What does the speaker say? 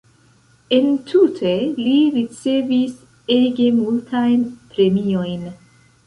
Entute li ricevis ege multajn premiojn.